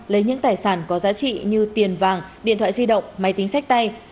lấy những tài sản có giá trị như tiền vàng điện thoại di động máy tính sách tay